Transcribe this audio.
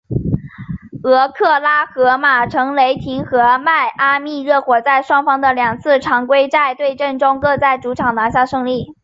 俄克拉何马城雷霆和迈阿密热火在双方的两次的常规赛对阵中各在主场拿下胜利。